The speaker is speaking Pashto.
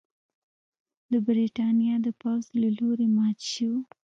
د برېټانیا د پوځ له لوري مات شو.